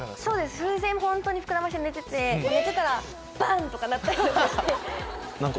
風船ホントに膨らませて寝てて寝てたらバン！とかなったりとかして。